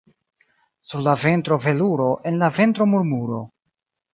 Sur la ventro veluro, en la ventro murmuro.